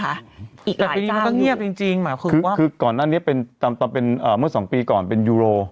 แต่ไปดีมันก็เงียบจริงมันคือก่อนอันนี้ตามเป็นเมื่อ๒ปีก่อนเป็นยูโร